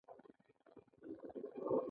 دغه ودانۍ په ټوله نړۍ کې نه هیریدونکې دي.